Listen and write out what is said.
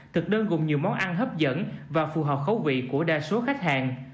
thực đơn gồm nhiều món ăn hấp dẫn và phù hợp khấu vị của đa số khách hàng